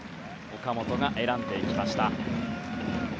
岡本が選んでいきました。